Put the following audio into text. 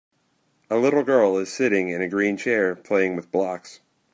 A little girl is sitting in a green chair playing with blocks.